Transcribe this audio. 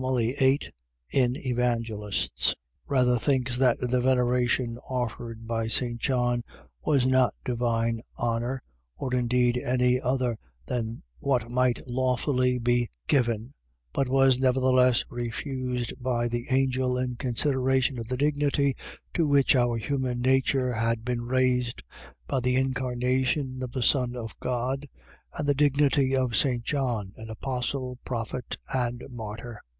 8, in Evang.) rather thinks that the veneration offered by St. John, was not divine honour, or indeed any other than what might lawfully be given; but was nevertheless refused by the angel, in consideration of the dignity to which our human nature had been raised, by the incarnation of the Son of God, and the dignity of St. John, an apostle, prophet, and martyr.